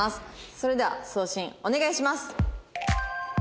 それでは送信お願いします！